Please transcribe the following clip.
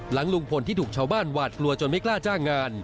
หลังลุงพลที่ถูกชาวบ้านหวาดกลัวจนไม่กล้าจ้างงาน